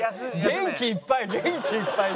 元気いっぱい！